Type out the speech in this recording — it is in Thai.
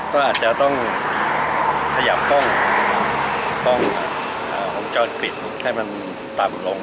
ก็อาจจะต้องสยับป้องป้องอ่าห่วงจอดปิดให้มันต่ำลง